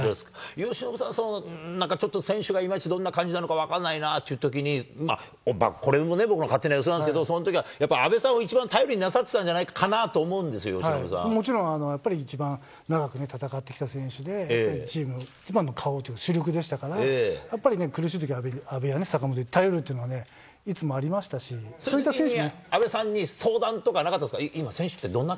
由伸さん、なんかちょっと選手がいまいちどんな感じか分からないなっていうときに、これもね、僕の勝手な予想なんですけど、そのときは阿部さんを一番頼りになさってたんじゃないかなと思うもちろん、やっぱり一番長くね、戦ってきた選手で、チーム一番の顔というか主力でしたから、やっぱりね、苦しいときは阿部や坂本に頼るというのはいつもありましたし、そういった選手に。